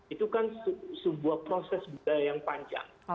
itu kan sebuah proses budaya yang panjang